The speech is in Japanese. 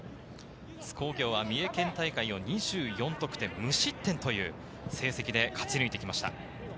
津工業は三重県大会２４得点無失点という成績で勝ち抜いてきました。